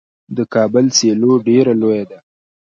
د کابل سیلو ډیره لویه ده.